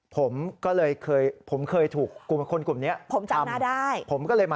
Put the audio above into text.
ผมก็เลยเคยผมเคยถูกกลุ่มคนกลุ่มนี้ทำเพิ่ม